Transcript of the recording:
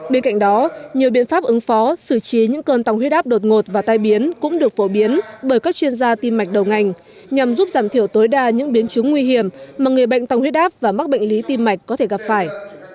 bên cạnh đó nhiều biện pháp ứng phó xử trí những cơn tăng huyết áp đột ngột và tai biến cũng được phổ biến bởi các chuyên gia tim mạch đầu ngành nhằm giúp giảm thiểu tối đa những biến chứng nguy hiểm mà người bệnh tăng huyết áp và mắc bệnh lý tim mạch có thể gặp phải